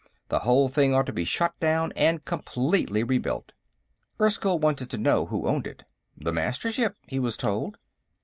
The whole thing ought to be shut down and completely rebuilt." Erskyll wanted to know who owned it. The Mastership, he was told.